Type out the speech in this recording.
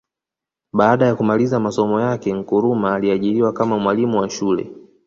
Baada ya kumaliza masomo yake Nkrumah aliajiriwa kama mwalimu wa shule